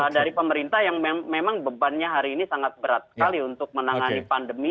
dari pemerintah yang memang bebannya hari ini sangat berat sekali untuk menangani pandemi